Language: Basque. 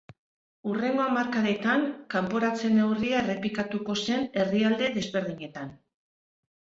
Hurrengo hamarkadetan kanporatze neurria errepikatuko zen herrialde desberdinetan.